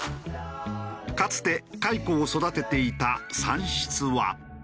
かつて蚕を育てていた蚕室は。